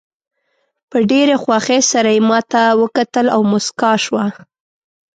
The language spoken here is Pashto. په ډېره خوښۍ سره یې ماته وکتل او موسکاه شوه.